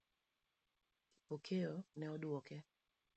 Kipokeo ne oduoke.